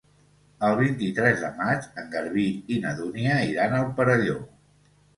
El vint-i-tres de maig en Garbí i na Dúnia iran al Perelló.